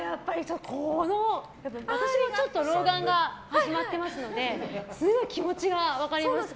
私もちょっと老眼が始まってますのですごい気持ちが分かりますね。